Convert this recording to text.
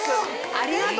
ありがとう！